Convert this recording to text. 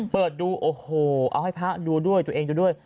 เปิดดูโอ้โหเอาให้พระดูด้วยตัวเองดูด้วย